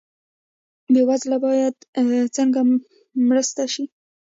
بې وزله باید څنګه مرسته شي؟